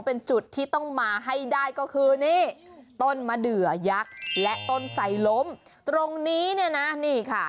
เป็นจุดที่ต้องมาให้ได้ก็คือนี่ต้นมะเดือยักษ์และต้นไสล้มตรงนี้เนี่ยนะนี่ค่ะ